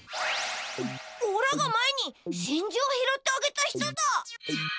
おらが前にしんじゅを拾ってあげた人だ！